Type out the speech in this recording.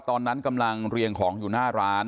ตอนนั้นกำลังเรียงของอยู่หน้าร้าน